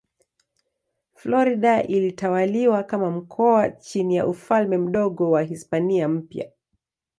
Florida ilitawaliwa kama mkoa chini ya Ufalme Mdogo wa Hispania Mpya.